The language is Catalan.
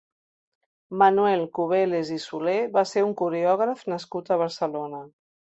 Manuel Cubeles i Solé va ser un coreògraf nascut a Barcelona.